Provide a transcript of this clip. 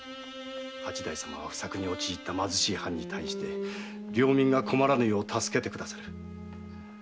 八代様は不作に陥った貧しい藩に対して領民が困らぬよう助けてくださる。